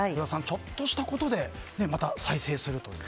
ちょっとしたことで再生すると。